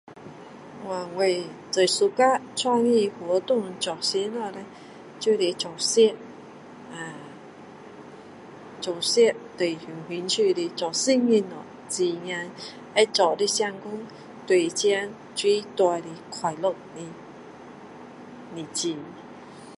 你这政府的福利相当好的了啦我跟英国的政策